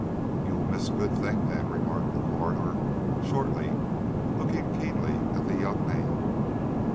"You will miss a good thing, then," remarked the coroner, shortly, looking keenly at the young man.